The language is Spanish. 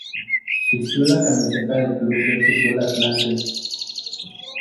Vistió la camiseta de Club de Fútbol Atlante.